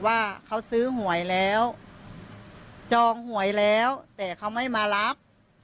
ว่าเขาซื้อหวยแล้วจองหวยแล้วแต่เขาไม่มารับ